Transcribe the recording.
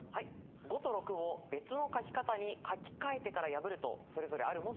５と６を別の書き方に書き換えてから破るとそれぞれある文字になるはずです。